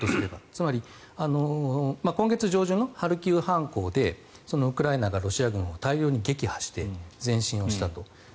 つまり、今月上旬ハルキウ反攻でウクライナがロシアを大量に撃破して前進をしたと。